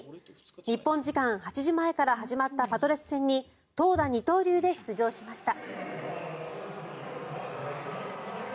日本時間８時前から始まったパドレス戦に投打二刀流で出場しました。